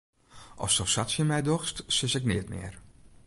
Asto sa tsjin my dochst, sis ik neat mear.